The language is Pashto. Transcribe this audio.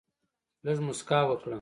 لږ مسکا وکړه.